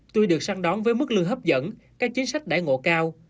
tuy được săn đón với mức lương hấp dẫn các chính sách đại ngộ cao